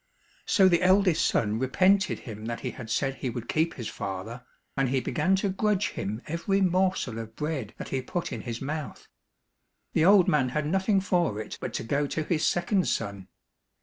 So the eldest son repented him that he had said he would keep his father, and he began to grudge him every morsel of bread that he put in his mouth. The old man had nothing for it but to go to his second son.